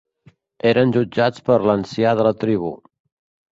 Eren jutjats per l'ancià de la tribu.